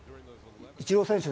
イチロー選手